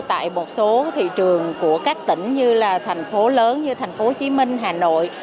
tại một số thị trường của các tỉnh như là thành phố lớn như thành phố hồ chí minh hà nội